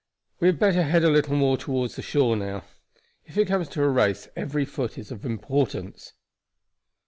We had better head a little more toward the shore now. If it comes to a race every foot is of importance."